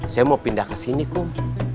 saya mau pindah ke sini kok